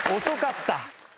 遅かった！